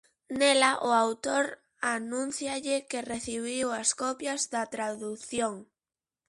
Nela o autor anúncialle que recibiu as copias da tradución.